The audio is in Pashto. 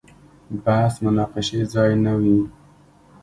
بحث مناقشې ځای نه وي.